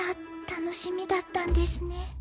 楽しみだったんですね。